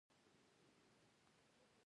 دا په رښتینې مانا انساني او بشري درک دی.